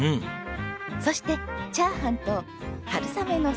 そしてチャーハンと春雨のサラダです。